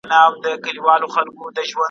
درباندي راسي دېوان په ډله